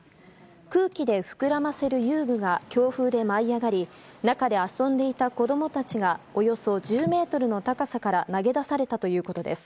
空気で膨らませる遊具が強風で舞い上がり中で遊んでいた子供たちがおよそ１０ｍの高さから投げ出されたということです。